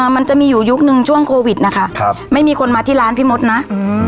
มันจะมีอยู่ยุคนึงช่วงโควิดนะคะครับไม่มีคนมาที่ร้านพี่มดนะอืม